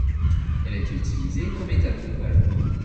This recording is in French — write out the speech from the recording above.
Elle est utilisée comme étalon de valeur.